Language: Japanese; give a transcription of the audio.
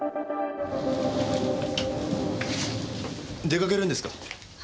出かけるんですか？